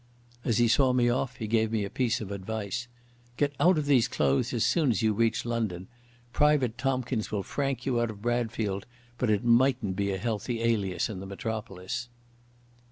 As he saw me off he gave me a piece of advice. "Get out of these clothes as soon as you reach London. Private Tomkins will frank you out of Bradfield, but it mightn't be a healthy alias in the metropolis."